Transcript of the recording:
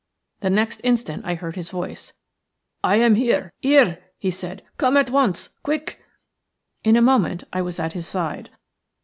The next instant I heard his voice. "I am here – here," he said. "Come at once — quick!" In a moment I was at his side.